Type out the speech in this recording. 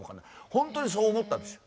ほんとにそう思ったんですよ。